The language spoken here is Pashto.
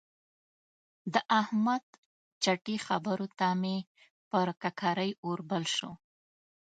د احمد چټي خبرو ته مې پر ککرۍ اور بل شو.